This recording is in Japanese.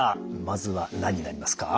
まずは何になりますか？